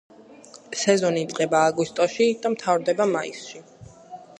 სეზონი იწყება აგვისტოში და მთავრდება მაისში.